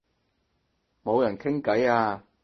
冇人傾偈啊